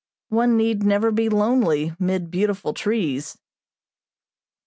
One need never be lonely mid beautiful trees.